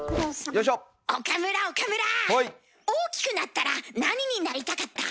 大きくなったら何になりたかった？